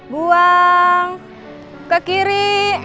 buang ke kiri